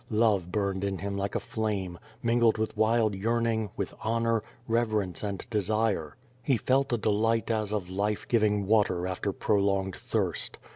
Love burned in him like a flame, mingled with wild yearning, with honor, reverence and desire. He felt a QUO VADI8. 165 deliglit as of life giving water after prolonged thirst.